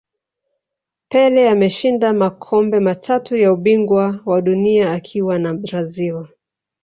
pele ameshinda makombe matatu ya ubingwa wa dunia akiwa na brazil